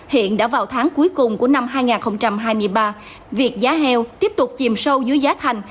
hiện đã vào tháng cuối cùng của năm hai nghìn hai mươi ba việc giá heo tiếp tục chìm sâu dưới giá thành